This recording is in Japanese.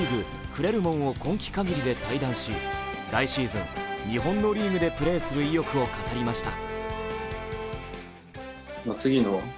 クレルモンを今季限りで退団し来シーズン、日本のリーグでプレーする意欲を語りました。